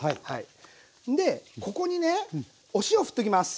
でここにねお塩振っていきます。